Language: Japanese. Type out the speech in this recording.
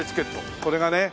これがね